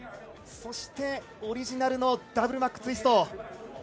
そしてオリジナルのダブルマックツイスト。